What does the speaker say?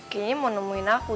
kayaknya mau nemuin aku